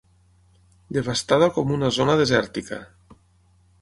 Devastada com una zona desèrtica.